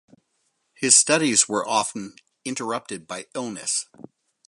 His studies were often interrupted by illness.